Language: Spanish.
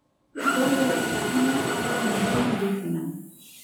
Dos de las personas hablan un idioma indígena.